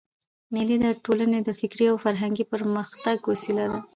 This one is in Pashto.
مېلې د ټولني د فکري او فرهنګي پرمختګ وسیله ده.